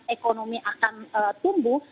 ekonomi akan tumbuh